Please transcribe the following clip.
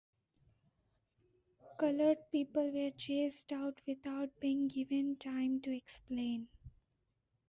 Colored people were chased out without being given time to explain.